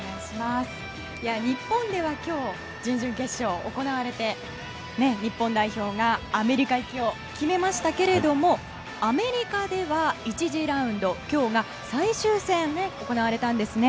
日本では今日準々決勝が行われて日本代表がアメリカ行きを決めましたけどもアメリカでは１次ラウンド最終戦が行われたんですね。